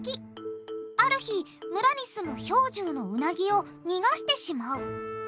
ある日村に住む兵十のウナギを逃がしてしまう。